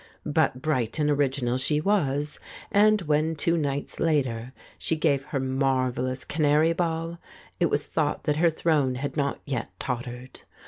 But bright and original she was, and when, two nights later, she gave her marvellous canary ball, it was thought that her throne had not yet tottered.